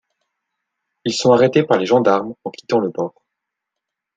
Ils sont arrêtés par les gendarmes en quittant le bord.